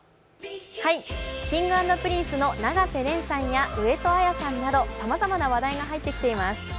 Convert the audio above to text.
Ｋｉｎｇ＆Ｐｒｉｎｃｅの永瀬廉さんや上戸彩さんなどさまざまな話題が入ってきています。